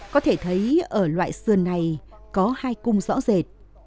có thể thấy ở loại sườn này có hai cung rõ rệt